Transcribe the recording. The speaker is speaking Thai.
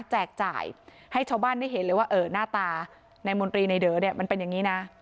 จ่ายให้ชาวบ้านได้เห็นเลยว่าเออหน้าตาในมนตรีในเด๋อเนี่ยมันเป็นอย่างนี้นะ